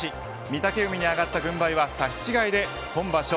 御嶽海に上がった軍配は差し違えで今場所